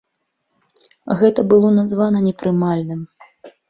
Гэта было названа непрымальным.